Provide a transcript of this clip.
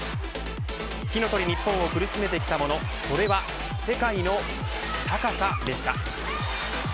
火の鳥ＮＩＰＰＯＮを苦しめてきたものはその世界の高さでした。